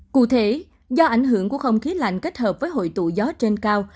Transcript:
cụ thể do ảnh hưởng của không khí lạnh kết hợp với hội tụ gió trên cao